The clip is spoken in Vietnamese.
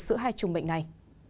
giữa hai chung bệnh này